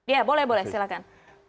ya boleh boleh silahkan